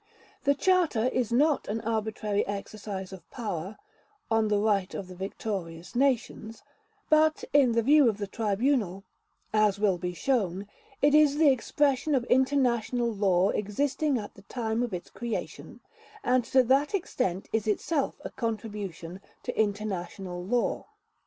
The Charter is not an arbitrary exercise of power on the part of the victorious Nations, but in the view of the Tribunal, as will be shown, it is the expression of international law existing at the time of its creation; and to that extent is itself a contribution to international law.